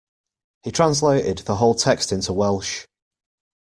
He translated the whole text into Welsh.